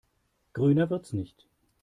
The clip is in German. Grüner wird's nicht.